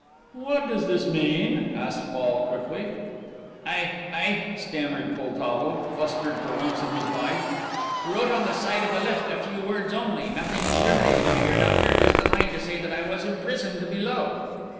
"What does this mean?" asked Fall, quickly. "I I " stammered Poltavo, flustered for once in his life, "wrote on the side of the lift a few words only, nothing incriminating, my dear doctor, just a line to say that I was imprisoned below."